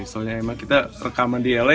soalnya emang kita rekaman di la